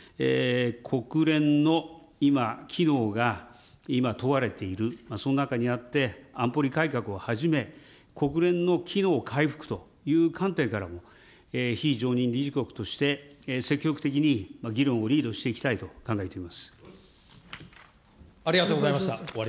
国連の今、機能が、今問われている、その中にあって、安保理改革をはじめ、国連の機能回復という観点からも、非常任理事国として積極的に議論をリードしていきたいと考えていありがとうございました。